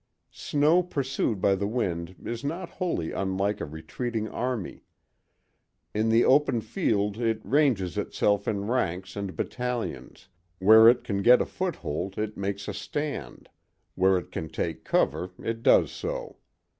Snow pursued by the wind is not wholly unlike a retreating army. In the open field it ranges itself in ranks and battalions; where it can get a foothold it makes a stand; where it can take cover it does so.